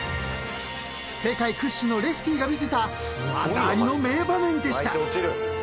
［世界屈指のレフティが見せた技ありの名場面でした］